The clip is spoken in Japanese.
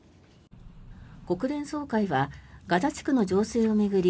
国連総会はガザ地区の情勢を巡り